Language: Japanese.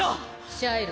シャイロ。